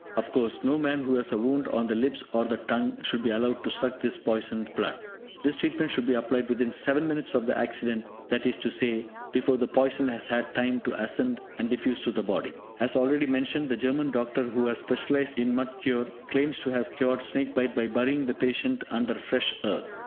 Of course, no man who has a wound on the lips or the tongue should be allowed to suck this poisoned blood. This treatment should be applied within 7 minutes of the accident, that is to say, before the poison has had time to ascend and diffuse through the body. As already mentioned, the German doctor who has specialised in mud cure, claims to have cured snake bite by burying the patient under fresh earth.